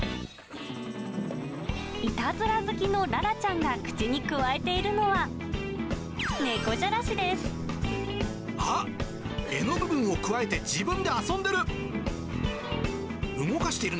いたずら好きのララちゃんが口にくわえているのは、猫じゃらしであっ、柄の部分をくわえて自分で遊んでる。